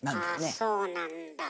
あそうなんだ。